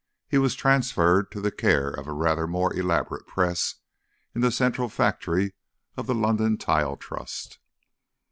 He was transferred to the care of a rather more elaborate press in the central factory of the London Tile Trust.